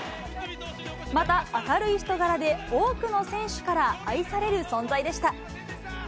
また、明るい人柄で、多くの選手から愛される存在でした。